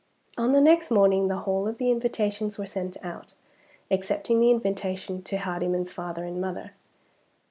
On the next morning the whole of the invitations were sent out, excepting the invitation to Hardyman's father and mother.